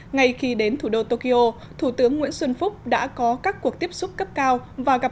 ngay khi đến thủ đô tokyo thủ tướng nguyễn xuân phúc đã có các cuộc tiếp xúc cấp cao và gặp